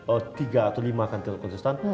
tiga atau lima kantin kontestan